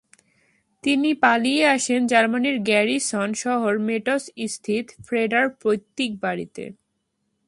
তিনি পালিয়ে আসেন জার্মানির গ্যারিসন শহর মেটজ-স্থিত ফ্রেডার পৈতৃক বাড়িতে।